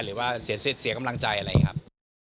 หรือว่าเสียเสร็จเสียกำลังใจอะไรครับ